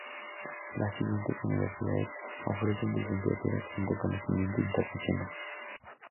Las siguientes universidades ofrecen licenciaturas con reconocimiento internacional.